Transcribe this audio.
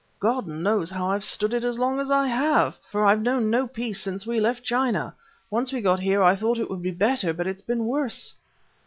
"God knows how I've stood it as I have; for I've known no peace since we left China. Once we got here I thought it would be better, but it's been worse.